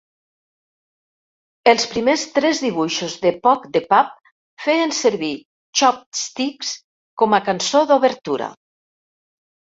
Els primers tres dibuixos de "Pooch the Pup" feien servir "Chopsticks" com a cançó d'obertura.